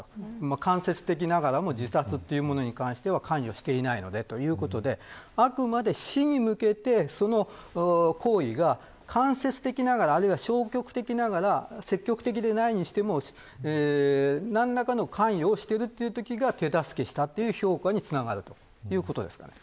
間接的にも自殺というものには関与していないのであくまで死に向けて、その行為が間接的ながらあるいは消極的ながら積極的でないにしても何らかの関与をしたというときは手助けをしたという評価につながるということです。